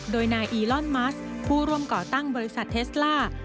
โดยนายอีลอนมัสผู้ร่วมก่อตั้งบริษัทเทสล่า